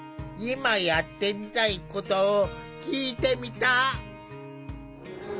今やってみたいことを聞いてみた。